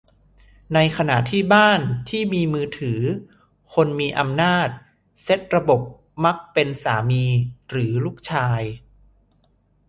ในขณะที่บ้านที่มีมือถือ-คนมีอำนาจเซ็ตระบบมักเป็นสามีหรือลูกชาย